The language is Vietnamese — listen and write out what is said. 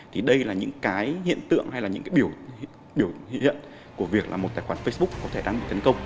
thì đây là những cái hiện tượng hay là những cái biểu hiện của việc là một tài khoản facebook có thể đang bị tấn công